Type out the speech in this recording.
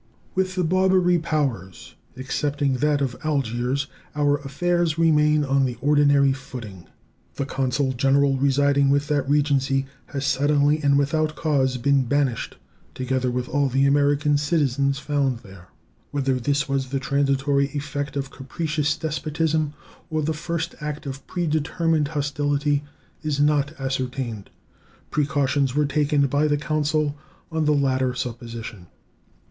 With the Barbary Powers, excepting that of Algiers, our affairs remain on the ordinary footing. The consul general residing with that Regency has suddenly and without cause been banished, together with all the American citizens found there. Whether this was the transitory effect of capricious despotism or the first act of predetermined hostility is not ascertained. Precautions were taken by the consul on the latter supposition.